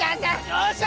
よっしゃ！